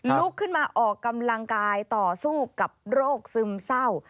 ลุกขึ้นมาออกกำลังกายต่อสู้กับโรคซึมเศร้า